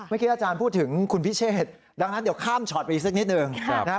เมื่อกี้อาจารย์พูดถึงคุณพิเชษดังนั้นเดี๋ยวข้ามช็อตไปอีกสักนิดหนึ่งนะครับ